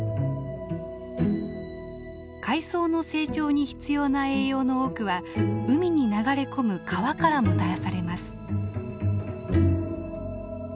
海藻の成長に必要な栄養の多くは海に流れ込む川からもたらされます。